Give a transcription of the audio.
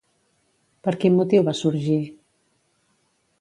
Per quin motiu va sorgir?